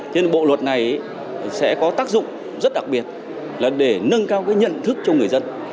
thế nên bộ luật này sẽ có tác dụng rất đặc biệt là để nâng cao cái nhận thức cho người dân